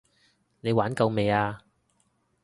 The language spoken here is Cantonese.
你玩夠未啊？